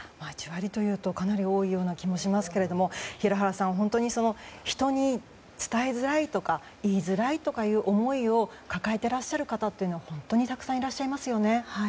１割というとかなり多い気もしますが平原さん人に伝えづらいとか言いづらいという思いを抱えてらっしゃる方は本当にたくさんいらっしゃいますよね。